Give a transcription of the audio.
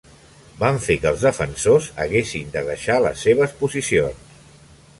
Van fer que els defensors haguessin de deixar les seves posicions.